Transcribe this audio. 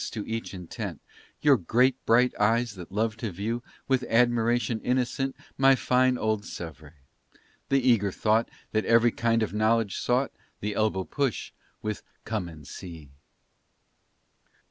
to each intent; Your great bright eyes, that loved to view With admiration innocent My fine old Sèvres; the eager thought That every kind of knowledge sought; The elbow push with "Come and see!"